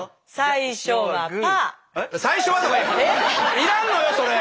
要らんのよそれ。